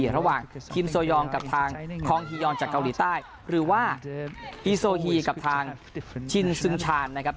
ระหว่างคิมโซยองกับทางคองฮียอนจากเกาหลีใต้หรือว่าอีโซฮีกับทางชินซึงชาญนะครับ